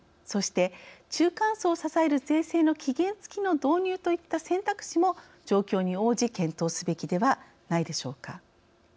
そして、中間層を支える税制の期限つきの導入といった選択肢も状況に応じ検討すべきではないでしょうか。